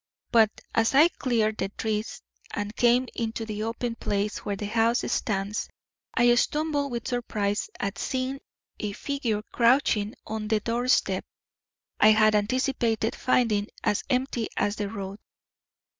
But as I cleared the trees and came into the open place where the house stands I stumbled with surprise at seeing a figure crouching on the doorstep I had anticipated finding as empty as the road.